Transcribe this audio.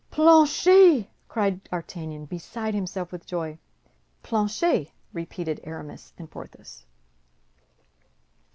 "Planchet!" cried D'Artagnan, beside himself with joy. "Planchet!" repeated Aramis and Porthos.